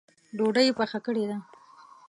ډوډۍ یې پخه کړې ده؟